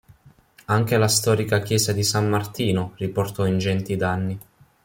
Anche la storica chiesa di San Martino riportò ingenti danni.